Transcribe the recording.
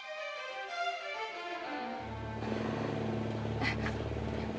tadi gak sengaja ketemu sama bang robi aja kok bu